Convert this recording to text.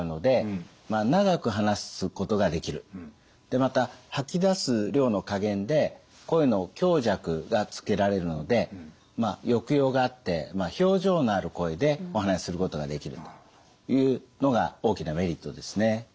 でまた吐き出す量の加減で声の強弱がつけられるので抑揚があって表情のある声でお話しすることができるというのが大きなメリットですね。